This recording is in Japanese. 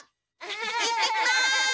行ってきます！